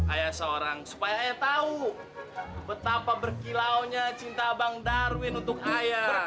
ayah seorang supaya ayah tahu betapa berkilau nya cinta abang darwin untuk ayah